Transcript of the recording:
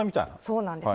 そうなんです。